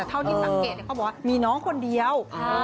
เท่าที่สังเกตเขาบอกว่ามีน้องคนเดียว